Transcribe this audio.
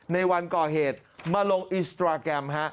ในวันก่อเหตุมาลงอินสตราแกรมฮะ